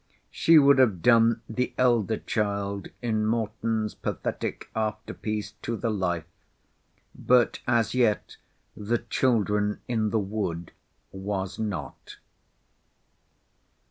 She would have done the elder child in Morton's pathetic after piece to the life; but as yet the "Children in the Wood" was not.